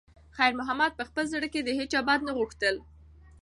خیر محمد په خپل زړه کې د هیچا بد نه غوښتل.